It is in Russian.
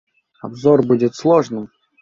Обзор будет сложным.